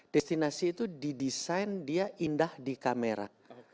destinasi itu didesain dia indah di kamera